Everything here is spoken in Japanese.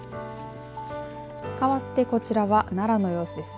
かわってこちらは奈良の様子です。